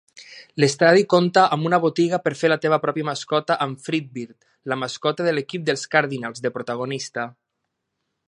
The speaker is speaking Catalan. L'estadi compta amb una botiga per fer la teva pròpia mascota amb Fredbird, la mascota de l'equip dels Cardinals, de protagonista.